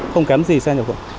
không kém gì xe nhập khẩu